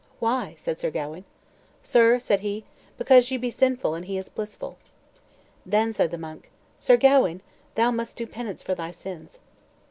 "Why?" said Sir Gawain. "Sir," said he, "because ye be sinful, and he is blissful." Then said the monk, "Sir Gawain, thou must do penance for thy sins."